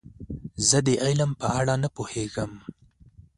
زه د علم په اړه نه پوهیږم.